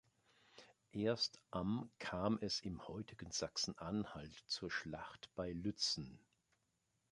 Erst am kam es im heutigen Sachsen-Anhalt zur Schlacht bei Lützen.